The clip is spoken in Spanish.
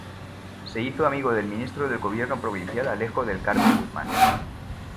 Se hizo amigo del ministro de gobierno provincial, Alejo del Carmen Guzmán.